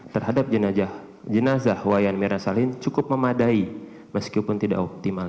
terhadap jenazah wayan mirasalin cukup memadai meskipun tidak optimal